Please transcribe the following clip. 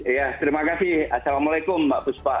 iya terima kasih assalamualaikum mbak buspa